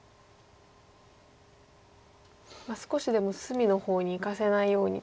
少しでも隅の方にいかせないようにと。